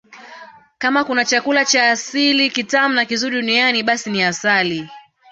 Kama kuna chakula cha asili kitamu na kizuri duniani basi ni asali